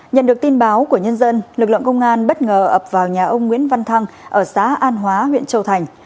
nhận được tin báo của nhân dân lực lượng công an bất ngờ ập vào nhà ông nguyễn văn thăng ở xã an hóa huyện châu thành